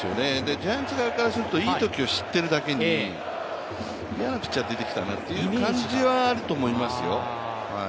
ジャイアンツ側からすると、いいときを知っているだけに嫌なピッチャーが出てきたなっていう感じはあると思いますよ。